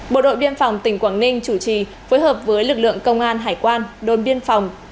bộ đội biên phòng tỉnh quảng ninh chủ trì phối hợp với lực lượng công an hải quan đôn biên phòng